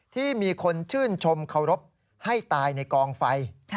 ที่มีคนชื่นชมเคารพให้ตายในกองไฟ